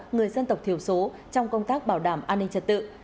người dân tộc thiểu số trong công tác bảo đảm an ninh trật tự